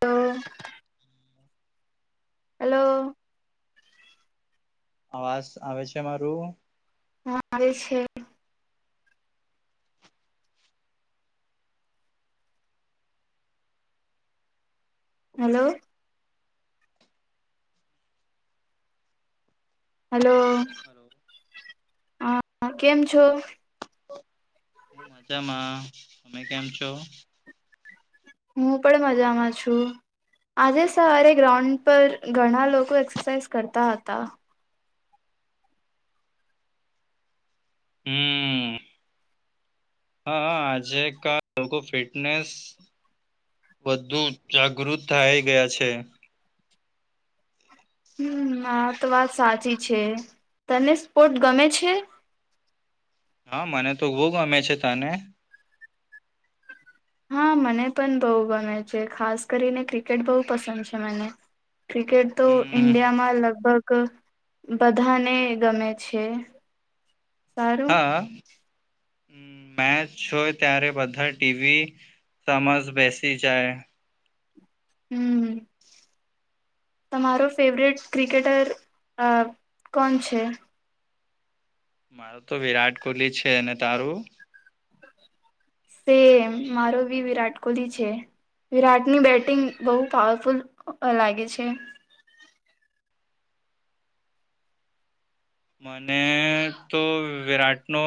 તો હલો. અવાજ આવે છે મારું. હા આવે છે. હલો. હેલો હલો હા કેમ છો? હું મજામાં. તમે કેમ છો? હું પણ મજામાં છું. આજે સવારે ગ્રાઉન્ડ પર ઘણા લોકો એક્સરસાઇઝ કરતા હતા. હમ્મ હા આજે ક લોકો ફિટનેસ વધુ જાગૃત થાય ગયા છે. હમ્મ હ તો વાત સાચી છે, તને સ્પોર્ટ ગમે છે? હા મને તો બો ગમે છે તને? હા મને પણ બહુ ગમે છે ખાસ કરીને ક્રિકેટ બહુ પસંદ છે મને. ક્રિકેટ તો હમ ઇન્ડિયામાં લગભગ. બધાને ગમે છે. સારું હા. મેચ જોય ત્યારે બધા ટીવી સમજ બેસી જાય. હમ તમારો ફેવરેટ ક્રિકેટર કોણ છે? મારું તો વિરાટ કોહલી છે અને તારું? સેમ મારો બી વિરાટ કોહલી છે, વિરાટની બેટિંગ બહુ પાવરફુલ લાગે છે. મને તો વિરાટ નો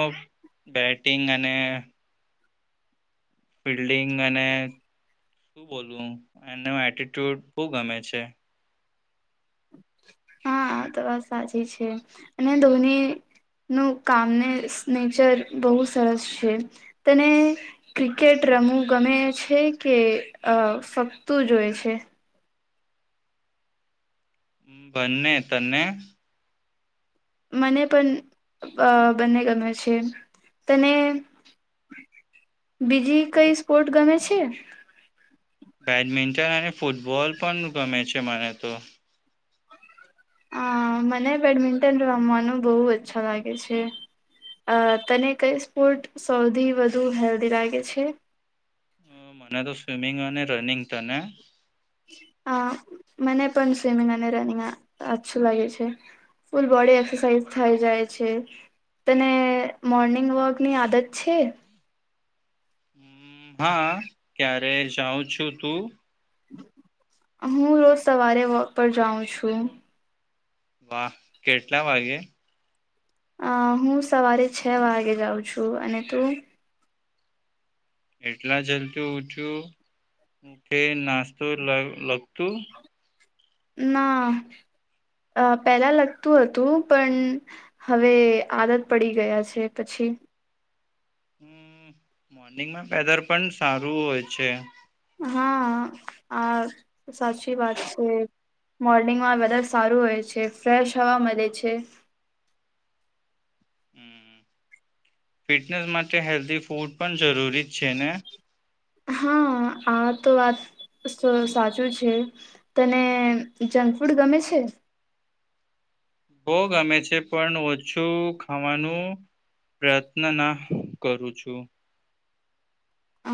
બેટિંગ અને ફિલ્ડિંગ અને શું બોલવું એનો એટેટ્યુડ બો ગમે છે. હા તો વાત સાચી છે અને ધોની નું કામને નેચર બહુ સરસ છે, તને ક્રિકેટ રમું ગમે છે કે ફકતું જોય છે? હમ્મ બને તને. મને પણ બંને ગમે છે, તને બીજી કઈ સ્પોર્ટ ગમે છે? બેડમિન્ટન અને ફૂટબોલ પણ ગમે છે મને તો. અ મને બેડમિન્ટન રમવાનું બહુ અચ્છા લાગે છે અ તને કઈ સ્પોર્ટ સૌથી વધુ હેલ્ધી લાગે છે? અ, મને તો સ્વિમિંગ અને રનિંગ તને? હ મને પણ સ્વિમિંગ અને રનિંગ અચછું લાગે છે, ફૂલ બોડી એક્સરસાઇઝ થઈ જાય છે? તને મોર્નિંગ વોકની આદત છે? હમ, હા ક્યારે જાઉં છું તું? હું રોજ સવારે વોક પર જાઉં છું. વાહ કેટલા વાગે? અ હું સવારે છ વાગે જાઉં છું અને તું? એટલા જલ્દી ઊચું કે નાસ્તો લગતું. ના પહેલા લગતું હતું પણ હવે આદત પડી ગયા છે પછી. હમ્મ મોર્નિંગમાં પેદલ પણ સારું હોય છે. હા આ સાચી વાત છે મોર્નિંગમાં વધારે સારું હોય છે ફ્રેશ હવા મળે છે. ફિટનેસ માટે હેલ્ધી ફૂડ પણ જરૂરી જ છે ને. હા આ તો વાત સાચું છે, તને જંક ફૂડ ગમે છે? ભો ગમે છે પણ ઓછું ખાવાનું પ્રયત્ન ના કરું છું.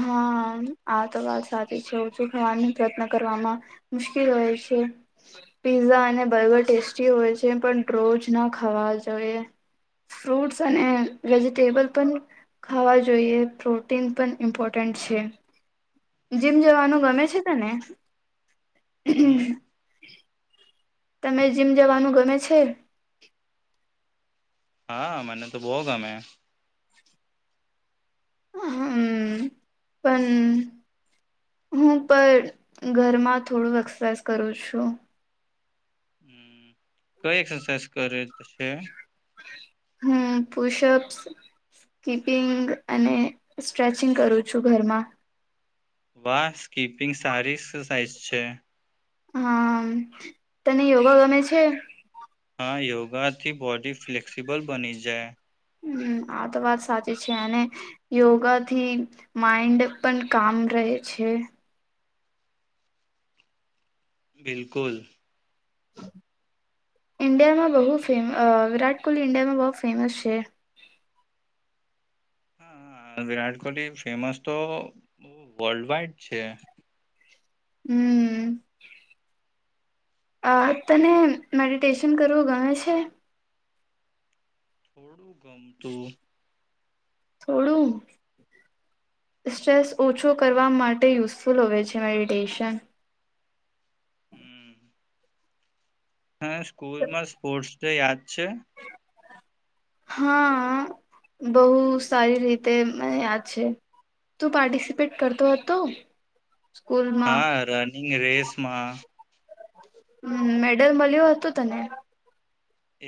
હા આ તો વાત સાચી છે ઓછું ખાવાનો પ્રયત્ન કરવામાં મુશ્કેલ હોય છે. પીઝા અને બર્ગર ટેસ્ટી હોય છે પણ રોજ ના ખાવા જોઈએ, ફ્રૂટ્સ અને વેજીિટેબલ પણ ખાવા જોઈએ પ્રોટીન પણ. ઇમ્પોર્ટેન્ટ છે. જીમ જવાનું હમ, ગમે છે તને. હું તમે જીમ જવાનું ગમે છે. હા મને તો બોગ ગમે. હમ્મ પણ હું પણ ઘરમાં થોડું એક્સરસાઇઝ કરું છું. હમ્મ કઈ એક્સરસાઇઝ કરે. છે હું પુશઅપ્પ સકીપિંગ અને સ્ટ્રેચિંગ કરું છું ઘરમાં. વાહ સ્કીપિંગ સારી એક્સરસાઇઝ છે. હા તને યોગા ગમે છે. હા યોગા થી બોડી ફ્લેક્સિબલ બની જાય. હમ્મ આ તો વાત સાચી છે અને યોગા થી માઈન્ડ પણ કામ રહે છે. બિલકુલ. ઈન્ડિયામાં બહુ ફેમ વિરાટ કોહલી ઈન્ડિયામાં બહુ ફેમસ છે. હા વિરાટ કોહલી ફેમસ તો વર્લ્ડ વાઈડ છે. હમ્મ અ તને મેડિટેશન કરવું ગમે છે. તુ થોડું સ્ટ્રેસ ઓછો કરવા માટે યુઝફુલ હોય છે મેડિટેશન. હમ્મ હા સ્કૂલ માં સ્પોર્ટ્સ ડે યાદ છે. હા બહું સારી રીતે મને યાદ છે તું પાર્ટિસિપેટ કરતો હતો. સ્કૂલમાં નિંગ રેસમાં. અમ્મ મેડલ મલ્યું હતું તને?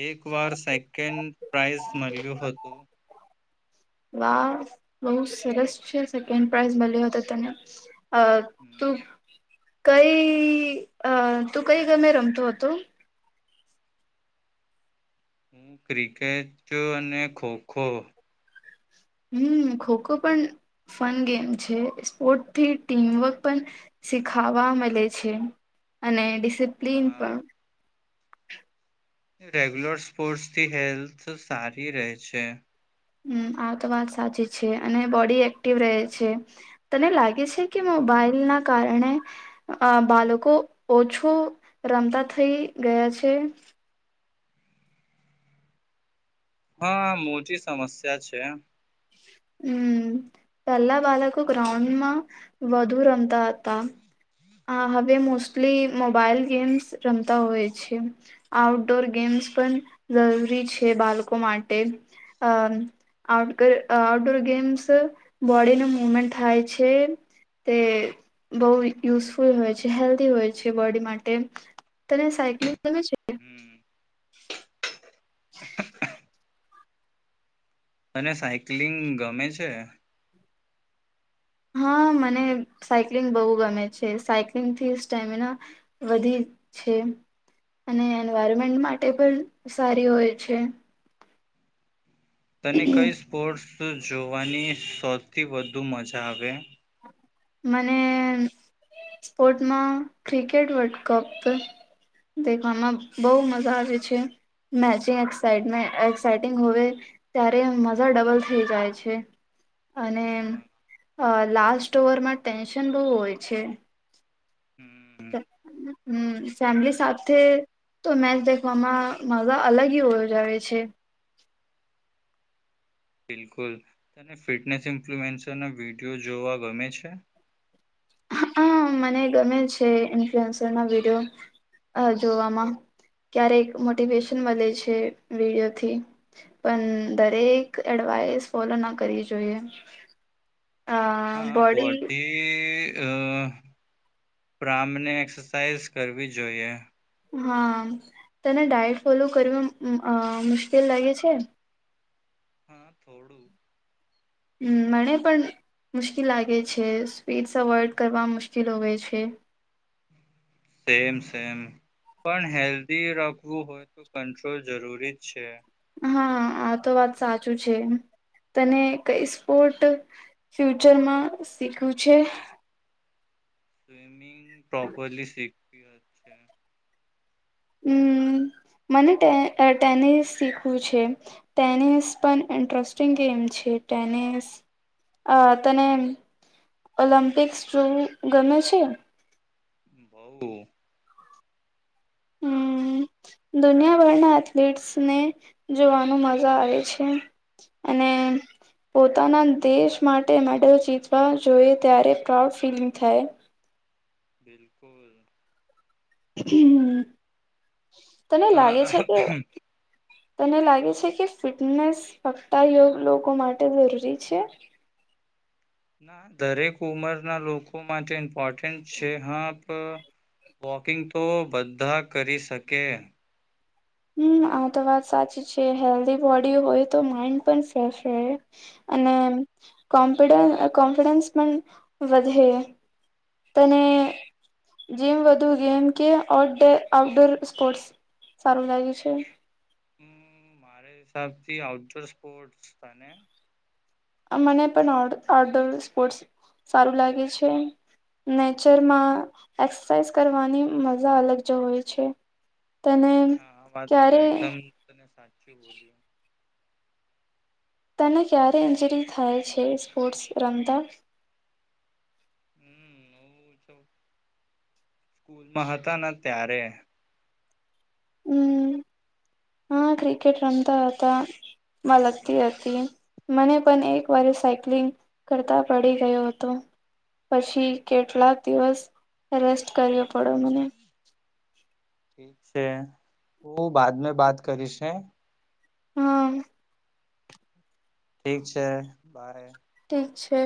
એક વાર સેકન્ડ પ્રાઇઝ મલ્યું હતું. વાહ! બોવ સરસ છે સેકન્ડ પ્રાઈઝ મલ્યો તો તને. અ હમ, તું કઈ અ તું કઈ ગમે રમતો હતો? હું ક્રિકેટ અને ખોખો. હમ્મ, ખોખો પણ ફન ગેમ છે. સ્પોર્ટથી ટીમવર્ક પણ શીખાવા મલે છે અને ડી સિપ્લીન પણ. હા રેગ્યુલર સ્પોર્ટસથી હેલ્થ સારી રહે છે. હમ્મ, આ તો વાત સાચી છે અને બોડી એક્ટિવ રહે છે. તને લા ગે છે કે, હમ, મોબાઈલના કારણે અ બાલકો ઓછું રમતા થઈ ગયા છે. હા, આ મોટી સમસ્યા છે. હમ્મ, પેલા બાલકો ગ્રાઉન્ડમાં વધુ રમતા હતા. હા હવે મોસ્ટલી મોબાઈલ ગેમ્સ રમતા હોય છે. આઉટડોર ગેમ્સ પણ જરૂરી છે બાલકો માટે. અ આઉટકર અ આઉટડોર ગેમ્સ બોડીનું મુવમેન્ટ થાય છે. તે બોવ યુઝફુલ હોય છે, હેલ્ધી હોય છે બોડી માટે. તને સાયક્લિંગ ગમે છે કે? હમ, તને સાયક્લિંગ ગમે છે? હા, મને સાયક્લિંગ બોવ ગમે છે. સાયક્લિંગથી સ્ટેમિના વધી છે અને એન્વાયરમેન્ટ માટે પણ સારી હોય છે. તને કઈ સ્પોર્ટસ ત જોવાની સૌથી વધુ મજા આવે? મને સ્પોર્ટમાં ક્રિકેટ વર્લ્ડ કપ દેખવામાં બોવ મઝા આવે છે. મેચે એક્સાયટમે એક્સાાઈટિંગ હોવે, ત્યારે મઝા ડબલ થઈ જાય છે અને હા અ લાસ્ ટ ઓવરમાં ટેન્શન બોવ હોય છે. હમ હમ્મ, ફેમિલી સાથે તો મેચ દેખવામાં મઝા અલગ હી હોજ આવે છે. બિલકુલ. તને ફિટનેસ ઇન્ફ્લુએન્સરના વિડીયો જોવા ગમે છે? હ અ મને ગમે છે ઇન્ફ્લુએન્સરના વિડીયો અ જોવામાં. ક્યારેક મોટિવેશન મલે છે વિડીયોથી. પન દરેક એડવાઈસ ફોલો ના કરવી જોઈએ. અ હા, બોડી અ પ્રામને એક્સરસાઈઝ કરવી જોએ. હા, તને ડાયટ ફોલો કરવા અમ્મ અ મુશ્કેલ લાગે છે? હા, થોડું. અં મને પણ મુશ્કીલ લાગે છે. સ્વીટ્સ અવોઈડ કરવા મુશ્કીલ હોવે છે. સેમ, સેમ, પણ હેલ્ધી રાખવું હોય તો કંટ્રોલ જરૂરી છે. હા, આ તો વાત સાચું છે. તને કઈ સ્પોર્ટ ફ્યુચરમાં શીખવું છે. સ્વિમિંગ પ્રોપરલી શીખ વી અ છે. અમ્મ, મને ટે એ ટેનિસ શીખવું છે. ટેનિસ પણ ઇન્ટરસ્ટિંગ ગેમ છે. ટેનિસ અ, તને ઓલમ્પિક્સ જોવું ગમે છે? બોઉ. અમ્મ, દુનિયાભરના એથ્લીટ્સને જોવાનું મજા આવે છે અને પોતાના દેશ માટે મેડલ જીતવા જોએ ત્યારે પ્રાઉડ ફીલિંગ થાય. બિલકુલ. તને અ લાગે છે કે તને લાગે છે કે ફિટનેસ ફક્તા યોગ લોકો માટે જરૂરી છે? દરેક ઉંમરના લોકો માટે ઇમ્પોર્ટન્ટ છે હા પ વોકિંગ તો બધા કરી શકે હમ્મ આ તો વાત સાચી છે હેલ્ધી બોડી હોય તો માઈન્ડ પણ ફ્રેશ રહે અને કોફ કોન્ફિડન્સ પણ વધે તને જીમ વધુ ગેમ કે આઉટડોર સ્પોર્ટસ સારું લાગે છે? હિસાબ થી આઉટડોર સ્પોર્ટસ તને? મને પણ આઉં આઉટડોર સ્પોર્ટસ સારું લાગે છે નેચરમાં એક્સરસાઇઝ કરવાની મજા અલગ જ હોય છે તને હા વાત તો ક્યારે એકદમ તને સાચું બોલ્યું તેને ક્યારે ઇન્જરી થાય છે સ્પોર્ટ્સ રમતા? હમ્મ હું તો સ્કૂલમાં હતા ના ત્યારે હમ્મ હા ક્રિકેટ રમતા હતા માં લગતી હતી મને પણ એક વાર સાયક્લિંગ કરતા પડી ગયો હતો પછી કેટલાક દિવસ રેસ્ટ કર્યો પડ્યો મને ઠીક છે હું બાદ મે બાત કરીશે હમ્મ ઠીક છે બાય ઠીક છે